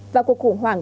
và cuộc khủng hoảng